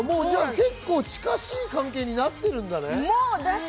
結構、近しい関係になっているんだね。